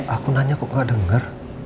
aku nanya kok gak denger